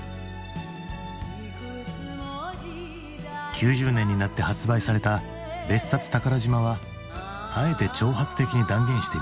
９０年になって発売された「別冊宝島」はあえて挑発的に断言してみせた。